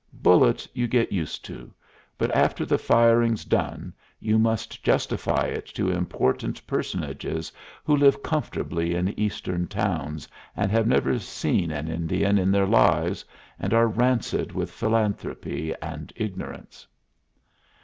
Bullets you get used to; but after the firing's done, you must justify it to important personages who live comfortably in Eastern towns and have never seen an Indian in their lives, and are rancid with philanthropy and ignorance.